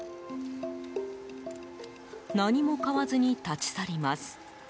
何も買わずに立ち去ります。